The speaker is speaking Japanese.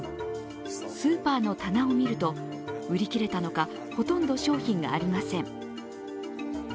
スーパーの棚を見ると、売り切れたのか、ほとんど商品がありません。